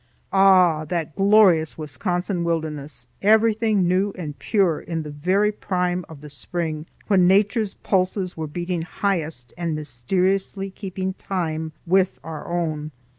Oh, that glorious Wisconsin wilderness! Everything new and pure in the very prime of the spring when Nature's pulses were beating highest and mysteriously keeping time with our own!